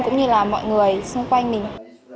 cũng như là mọi người xung quanh mình